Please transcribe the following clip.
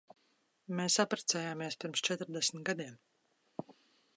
Mēs apprecējāmies pirms četrdesmit gadiem.